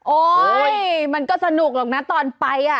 โอ้ยมันก็สนุกหรอกนะตอนไปอ่ะ